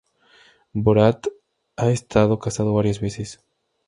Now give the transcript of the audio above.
Borat ha estado casado varias veces.